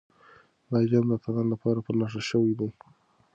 دا جام د اتلانو لپاره په نښه شوی دی.